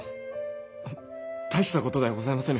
大したことではございませぬ。